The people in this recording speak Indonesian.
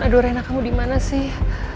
aduh enak kamu dimana sih